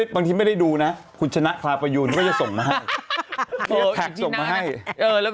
บางทีไม่ได้ดูนะคุณชนะคลาประยุนก็จะส่งมาให้